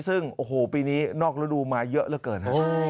ซึ่งโอ้โหปีนี้นอกระดูกมาเยอะเหลือเกินฮะ